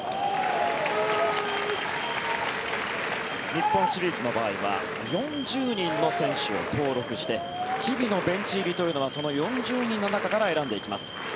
日本シリーズの場合は４０人の選手を登録して日々のベンチ入りというのはその４０人の中から選んでいきます。